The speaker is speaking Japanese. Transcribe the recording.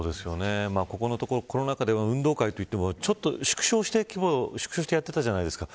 ここのところコロナ禍で運動会といっても規模を縮小してやっていたじゃないですか。